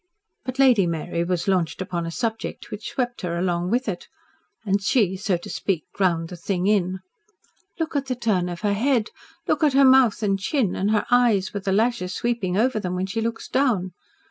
But Lady Mary was launched upon a subject which swept her along with it, and she so to speak ground the thing in. "Look at the turn of her head! Look at her mouth and chin, and her eyes with the lashes sweeping over them when she looks down!